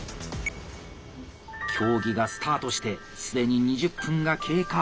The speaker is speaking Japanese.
競技がスタートして既に２０分が経過。